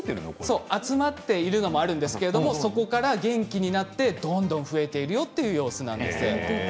そう集まっているのもあるんですけれどもそこから元気になってどんどん増えているよっていう様子なんです。